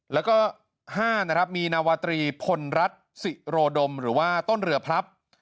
และก็๕มีนวตรีพนรัฐศิโรดมหรือว่าต้นเหลือพรับ